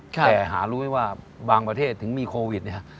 แต่หารู้ไว้ว่าบางประเทศถึงมีโควิดเนี่ย